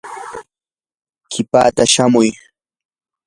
qipaata shamuy.